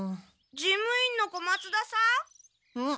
事務員の小松田さん？